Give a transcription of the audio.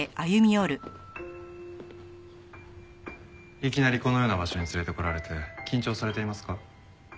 いきなりこのような場所に連れてこられて緊張されていますか？